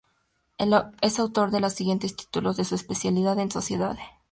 Es autor de los siguientes títulos de su especialidad: "En sociedade.